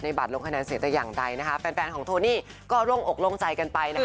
แฟนของโทนี่ภูมิกันลงใจกันไป